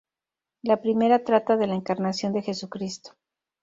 La primera trata de la Encarnación de Jesucristo.